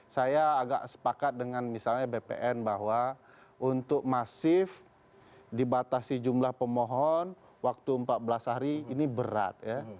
saya agak sepakat dengan misalnya bpn bahwa untuk masif dibatasi jumlah pemohon waktu empat belas hari ini berat ya